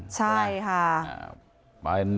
ใช่ค่ะ